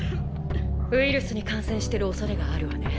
ウイルスに感染してるおそれがあるわね。